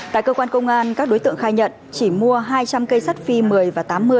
tại cơ quan công an các đối tượng khai nhận chỉ mua hai trăm linh cây sắt phi một mươi và tám mươi